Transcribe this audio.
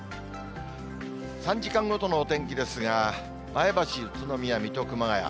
３時間ごとのお天気ですが、前橋、宇都宮、水戸、熊谷。